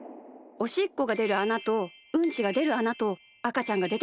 おしっこがでるあなとうんちがでるあなとあかちゃんがでてくるあな。